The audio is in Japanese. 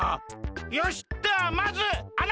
よしではまずあなたから！